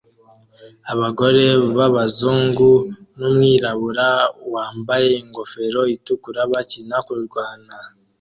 Abagore b'abazungu numwirabura wambaye ingofero itukura bakina kurwana